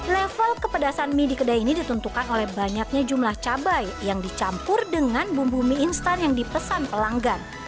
level kepedasan mie di kedai ini ditentukan oleh banyaknya jumlah cabai yang dicampur dengan bumbu mie instan yang dipesan pelanggan